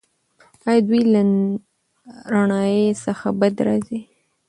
ایا دوی له رڼایي څخه بدې راځي؟